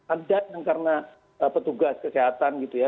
ada yang karena petugas kesehatan gitu ya